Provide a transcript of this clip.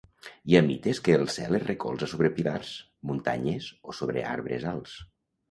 Hi ha mites que el cel es recolza sobre pilars, muntanyes o sobre arbres alts.